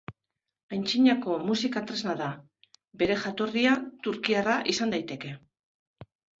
Aintzinako musika tresna da, bere jatorria turkiarra izan daiteke.